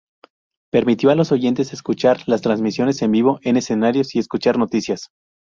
Permitió a los oyentes escuchar las transmisiones en vivo en escenarios y escuchar noticias.